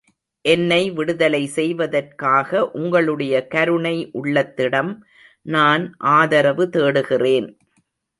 என்னை விடுதலை செய்வதற்காக உங்களுடைய கருணை உள்ளத்திடம் நான் ஆதரவு தேடுகிறேன்.